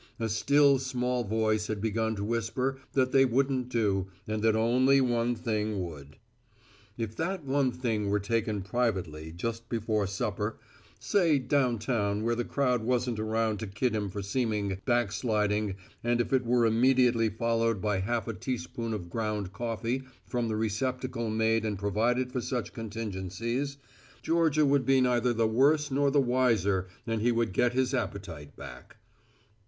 A still small voice had begun to whisper that they wouldn't do and that only one thing would. If that one thing were taken privately just before supper, say downtown where the crowd wasn't around to kid him for seeming backsliding and if it were immediately followed by half a teaspoonful of ground coffee from the receptacle made and provided for such contingencies, Georgia would be neither the worse nor the wiser and he would get his appetite back.